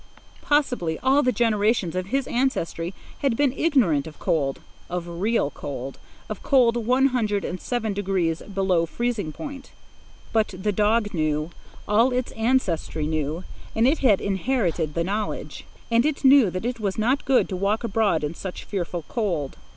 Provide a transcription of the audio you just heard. Possibly all the generations of his ancestry had been ignorant of cold, of real cold, of cold one hundred and seven degrees below freezing point. But the dog knew; all its ancestry knew, and it had inherited the knowledge. And it knew that it was not good to walk abroad in such fearful cold.